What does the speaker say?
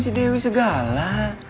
si dewi segala